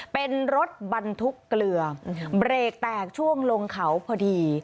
เป็นรถบรรทุกเกลือเบรกแตกช่วงลงเขาพอดี